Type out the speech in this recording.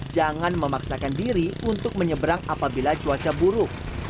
jangan memaksakan diri untuk menyeberang apabila cuaca buruk